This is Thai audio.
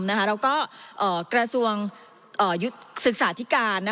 แล้วก็กระทรวงศึกษาธิการ